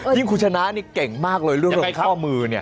คุณชนะนี่เก่งมากเลยเรื่องของข้อมือเนี่ย